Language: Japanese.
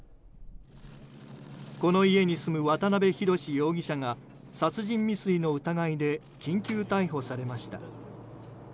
この家に住む渡邊宏容疑者が殺人未遂の疑いで緊急逮捕されました。